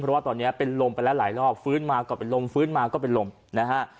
เพราะว่าตอนนี้เป็นลมไปแล้วหลายรอบฟื้นมาก็เป็นลมฟื้นมาก็เป็นลมนะฮะ